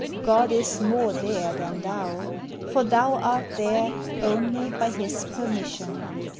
God is more there than thou; for thou art there Only by his permission.